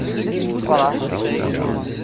Fṛeḥ!